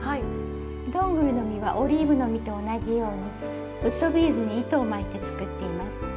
どんぐりの実はオリーブの実と同じようにウッドビーズに糸を巻いて作っています。